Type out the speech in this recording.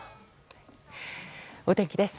お天気です。